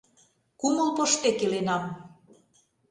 Кумыл поштек иленам.